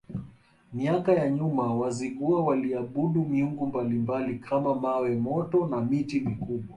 Miaka ya nyuma Wazigua waliabudu miungu mbalimbali kama mawe moto na miti mikubwa